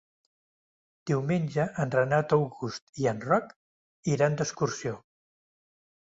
Diumenge en Renat August i en Roc iran d'excursió.